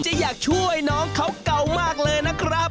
จะอยากช่วยน้องเขาเก่ามากเลยนะครับ